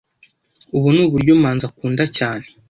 Ubu Nuburyo Manzi akunda cyane.